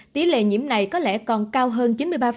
tỷ lệ nhiễm này có lẽ còn cao hơn chín mươi ba